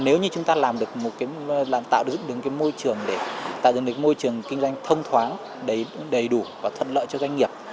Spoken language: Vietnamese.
và nếu như chúng ta tạo dựng được môi trường kinh doanh thông thoáng đầy đủ và thuận lợi cho doanh nghiệp